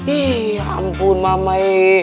ih ampun mamae